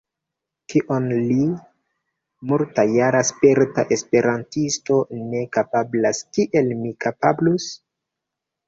Kion li, multjara sperta esperantisto, ne kapablas, kiel mi kapablus?